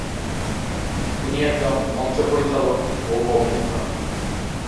তিনি একজন মঞ্চ পরিচালক ও অভিনেতা।